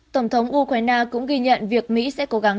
tổng thống ukraine cũng ghi nhận việc mỹ sẽ cố gắng